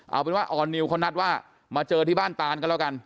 เอาเป็นว่าออนิวเขานัดว่ามาเจอที่บ้านตานก็แล้วกัน